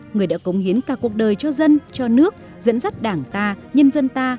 người đã cống hiến cả cuộc đời cho dân cho nước dẫn dắt đảng ta nhân dân ta